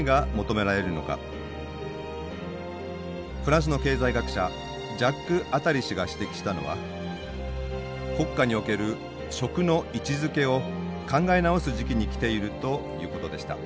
フランスの経済学者ジャック・アタリ氏が指摘したのは国家における「食」の位置づけを考え直す時期に来ているということでした。